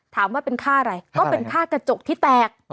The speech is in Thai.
ถามว่าเป็นค่าอะไรก็เป็นค่ากระจกที่แตก